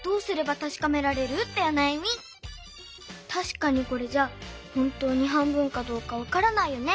たしかにこれじゃほんとに半分かどうかわからないよね。